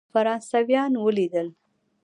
فرانسویان ولیدل.